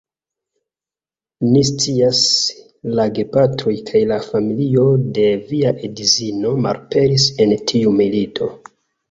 Ni scias, la gepatroj kaj la familio de via edzino malaperis en tiu milito.